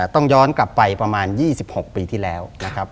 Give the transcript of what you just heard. ต้องย้อนกลับไปประมาณ๒๖ปีที่แล้วนะครับ